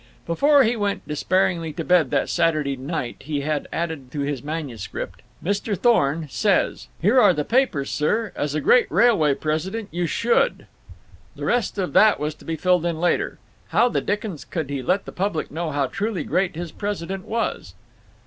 Before he went despairingly to bed that Saturday night he had added to his manuscript: Mr. Thorne says: Here are the papers, sir. As a great railway president you should— The rest of that was to be filled in later. How the dickens could he let the public know how truly great his president was?